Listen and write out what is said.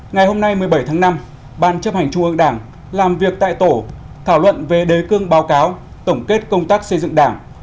ngày hôm nay một mươi bảy tháng năm ban chấp hành trung ương đảng làm việc tại tổ thảo luận về đề cương báo cáo tổng kết công tác xây dựng đảng